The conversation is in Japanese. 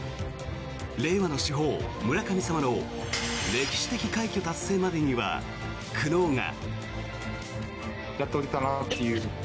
令和の主砲・村神様の歴史的快挙達成までには苦悩が。